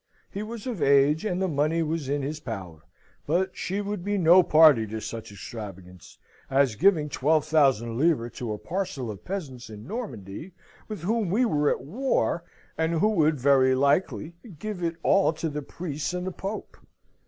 He was of age, and the money was in his power; but she would be no party to such extravagance, as giving twelve thousand livres to a parcel of peasants in Normandy with whom we were at war, and who would very likely give it all to the priests and the pope.